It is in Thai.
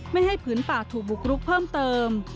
ไม่ให้ผืนป่าถูกบุกรุกเพิ่มเติม